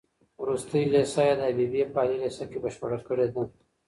وروستۍ ليسه يې د حبيبيې په عالي ليسه کې بشپړه کړې ده.